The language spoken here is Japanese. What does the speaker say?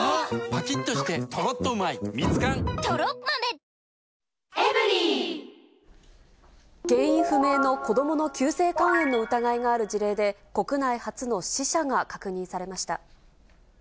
今なら補助金でお得原因不明の子どもの急性肝炎の疑いがある事例で、国内初の死者が確認されました。